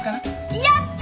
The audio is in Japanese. やった。